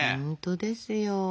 本当ですよ。